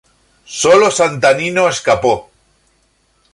Sólo Santa Nino escapó.